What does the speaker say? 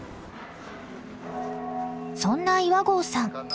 そんな岩合さん